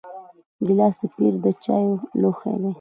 ګیلاس د پیر د چایو لوښی دی.